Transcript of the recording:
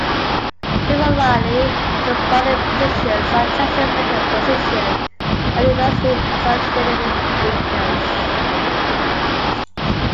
Similarly, some body positions, such as the fetal position, are universally associated with weakness.